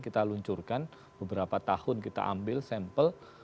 kita luncurkan beberapa tahun kita ambil sampel